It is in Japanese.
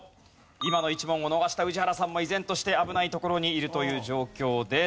今の１問を逃した宇治原さんも依然として危ない所にいるという状況です。